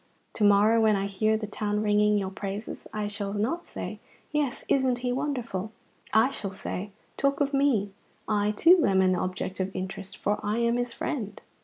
To morrow, when I hear the town ringing your praises, I shall not say, 'Yes, isn't he wonderful?' I shall say, 'Talk of me; I, too, am an object of interest, for I am his friend.'"